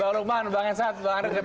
pak lukman pak enshad pak arief